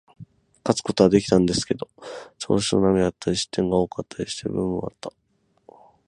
勝つことはできたんですけど、調子の波だったり、失点が多かったりした部分もあった。